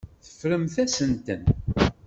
Teffremt-asent-ten.